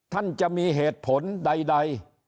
ท่านจะมีเหตุผลใด